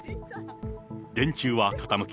電柱は傾き、